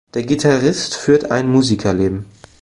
Der Gitarrist führt ein Musikerleben.